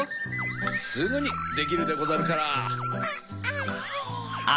すぐにできるでござるから。